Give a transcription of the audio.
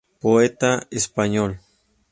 Poeta español.